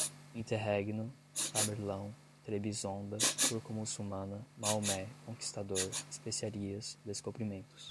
interregno, Tamerlão, Trebizonda, turco-muçulmana, Maomé, conquistador, especiarias, descobrimentos